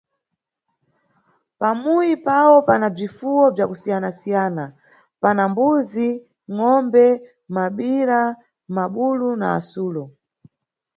Pamuyi pawo pana bzifuwo bzakusiyanasiya, pana mbuzi, ngʼombe, mabira, mabulu na asulo.